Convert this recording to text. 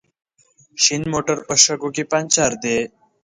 شين موټر په شګو کې پنچر دی